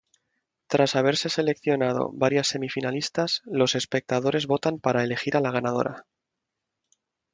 Tras haberse seleccionado varias semifinalistas, los espectadores votan para elegir a la ganadora.